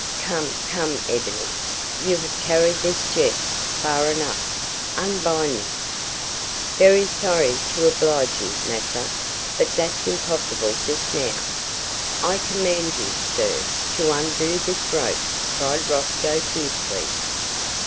"Come, come, Ebony, you have carried this jest far enough. Unbind me!" "Berry sorry to disoblige you, massa, but dat's impossible just now." "I command you, sir, to undo this rope!" cried Rosco fiercely.